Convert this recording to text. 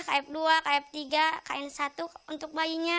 kf dua kf tiga kn satu untuk bayinya